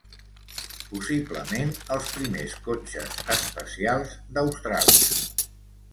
Possiblement els primers cotxes espacials d'Austràlia.